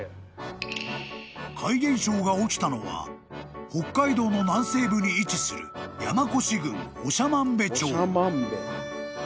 ［怪現象が起きたのは北海道の南西部に位置する山越郡長万部町］